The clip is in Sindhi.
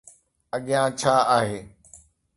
اڳيان ڇا آهي؟